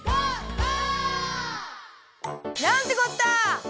ゴー！」なんてこった！